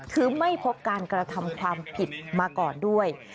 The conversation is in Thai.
คือไม่พบการกระทำความผิดมาก่อนด้วย